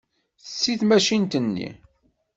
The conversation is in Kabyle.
Tetti tmacint-nni.